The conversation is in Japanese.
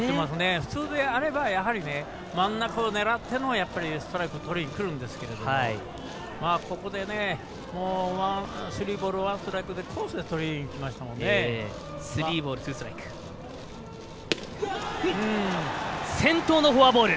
普通であれば真ん中を狙ってのストライクとりにくるんですけどここで、スリーボールワンストライクで先頭のフォアボール。